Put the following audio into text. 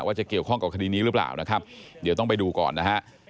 จะเกี่ยวข้องกับคดีนี้หรือเปล่านะครับเดี๋ยวต้องไปดูก่อนนะฮะ